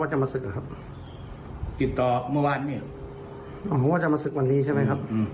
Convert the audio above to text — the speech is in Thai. ว่าจะมาศึกหรือครับติดต่อเมื่อวานนี้อ๋อว่าจะมาศึกวันนี้ใช่ไหมครับ